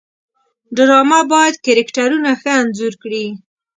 ډرامه باید کرکټرونه ښه انځور کړي